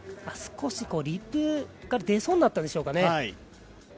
少しリップが出そうになったでしょうかね。